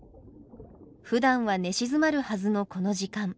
ふだんは寝静まるはずのこの時間。